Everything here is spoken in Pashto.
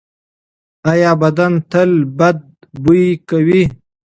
ایا بدن تل بد بوی کوي؟